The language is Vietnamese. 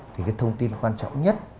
thì cái thông tin quan trọng nhất